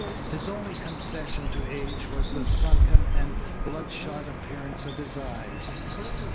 His only concession to age was the sunken and bloodshot appearance of his eyes.